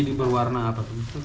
jamur gini berwarna apa tuh